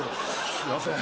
すいません。